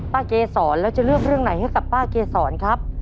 เกษรแล้วจะเลือกเรื่องไหนให้กับป้าเกษรครับ